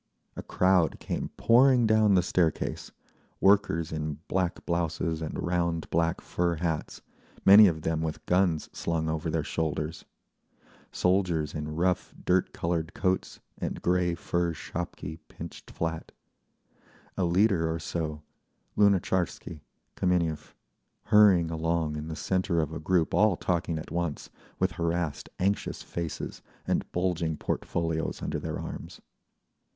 A crowd came pouring down the staircase, workers in black blouses and round black fur hats, many of them with guns slung over their shoulders, soldiers in rough dirt coloured coats and grey fur shapki pinched flat, a leader or so—Lunatcharsky, Kameniev—hurrying along in the centre of a group all talking at once, with harassed anxious faces, and bulging portfolios under their arms.